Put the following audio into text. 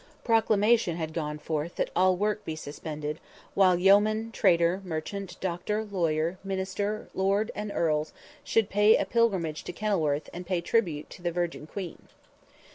Proclamation had gone forth that all work be suspended, while yeoman, trader, merchant, doctor, lawyer, minister, lords and earls should pay a pilgrimage to Kenilworth and pay tribute to the Virgin Queen.